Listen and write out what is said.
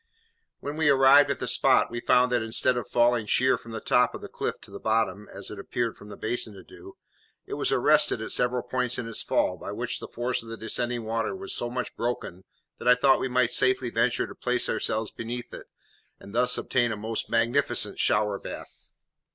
When we arrived at the spot we found that instead of falling sheer from the top of the cliff to the bottom, as it appeared from the basin to do, it was arrested at several points in its fall, by which the force of the descending water was so much broken that I thought we might safely venture to place ourselves beneath it, and thus obtain a most magnificent shower bath.